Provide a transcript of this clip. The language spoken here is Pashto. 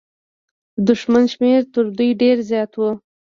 د دښمن شمېر تر دوی ډېر زيات و.